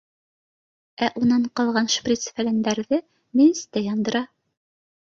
Ә унан ҡалған шприц-фәләндәрҙе мейестә яндыра.